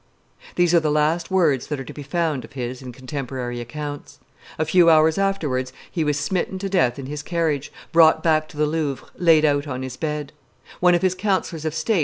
These are the last words that are to be found of his in contemporary accounts; a few hours afterwards he was smitten to death in his carriage, brought back to the Louvre, laid out on his bed; one of his councillors of state, M.